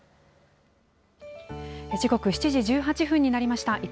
時刻７時１８分になりました。